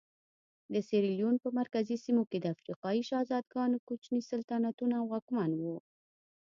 د سیریلیون په مرکزي سیمو کې د افریقایي شهزادګانو کوچني سلطنتونه واکمن وو.